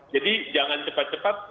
jadi jangan cepat cepat